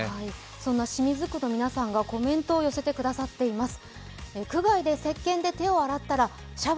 そんな清水区の皆さんがコメントを寄せてくださっています。